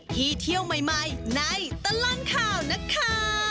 ที่เที่ยวไม้ในตลังข่าวนะคะ